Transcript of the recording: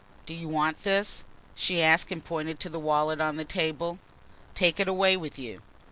"Do you want this?" she asked and pointed to the wallet on the table. "Take it away with you."